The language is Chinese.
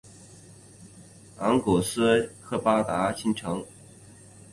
昂古斯廷埃斯卡勒德新城。